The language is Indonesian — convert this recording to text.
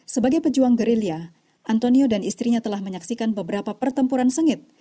sebagai pejuang guerilla antonio dan istrinya telah menyaksikan beberapa pertempuran sengit